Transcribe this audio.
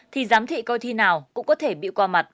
thì giám thị coi thi nào cũng có thể bị qua mặt